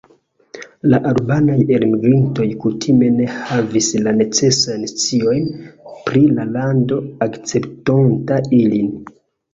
La albanaj elmigrintoj kutime ne havis la necesajn sciojn pri la lando akceptonta ilin.